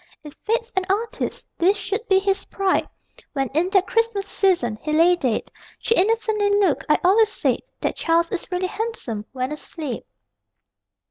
If Fate's an artist, this should be his pride When, in that Christmas season, he lay dead, She innocently looked. "I always said That Charles is really handsome when asleep."